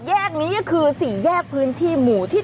แยกนี้ก็คือ๔แยกพื้นที่หมู่ที่๓